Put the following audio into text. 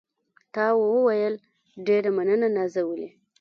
تا وویل: ډېره مننه نازولې.